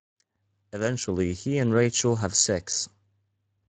Eventually, he and Rachel have sex.